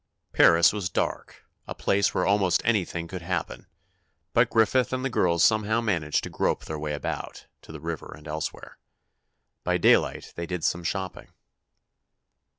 Paris was dark—a place where almost anything could happen—but Griffith and the girls somehow managed to grope their way about, to the river and elsewhere. By daylight they did some shopping.